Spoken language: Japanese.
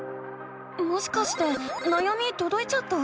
もしかしてなやみとどいちゃった？